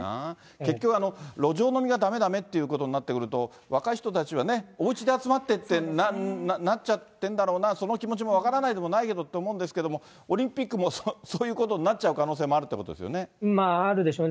結局、路上飲みがだめだめってことになってくると、若い人たちはね、おうちで集まってってなっちゃってんだろうな、その気持ちも分からないでもないけどと思うんですけれども、オリンピックもそういうことになっちゃう可能性もあるということあるでしょうね。